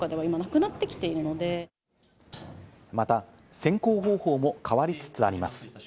また選考方法も変わりつつあります。